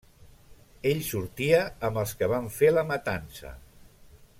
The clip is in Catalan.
Ell sortia amb els que van fer la matança.